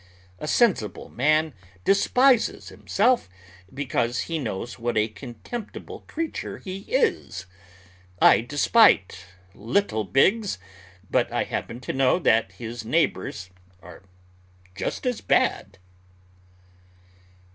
A sensible man despises himself because he knows what a contemptible creature he is. I despise Lytle Biggs, but I happen to know that his neighbors are just as bad.